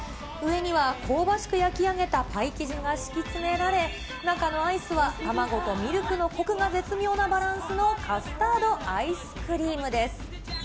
上には、香ばしく焼き上げたパイ生地が敷き詰められ、中のアイスは卵とミルクのコクが絶妙なバランスのカスタードアイスクリームです。